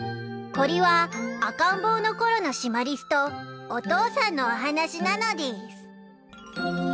［こりは赤ん坊のころのシマリスとお父さんのお話なのでぃす］